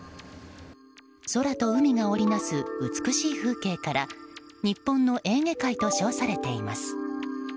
空と海が織り成す美しい風景から日本のエーゲ海と称されています。